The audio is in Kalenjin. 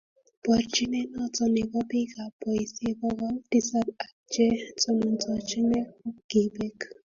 Borchinee noto ne bo biikab boisie bokol tisap ak che tonontochine ko kibek.